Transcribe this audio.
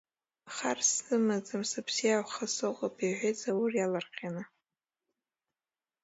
Хар сымаӡам, сыбзиахәха сыҟоуп, — иҳәеит Заур иаалырҟьаны.